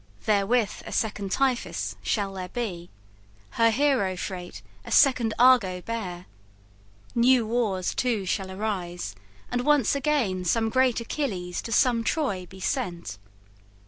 Therewith a second Tiphys shall there be, Her hero freight a second Argo bear; New wars too shall arise, and once again Some great Achilles to some Troy be sent.